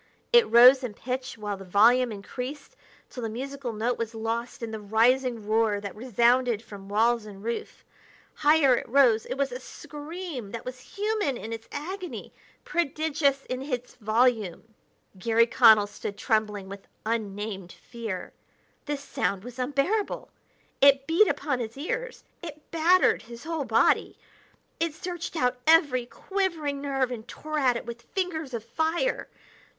It rose in pitch while the volume increased, till the musical note was lost in the rising roar that resounded from walls and roof. Higher it rose; it was a scream that was human in its agony, prodigious in its volume! Garry Connell stood trembling with unnamed fear. This sound was unbearable; it beat upon his ears; it battered his whole body; it searched out every quivering nerve and tore at it with fingers of fire.